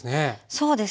そうですね。